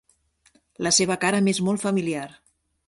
La seva cara m'és molt familiar.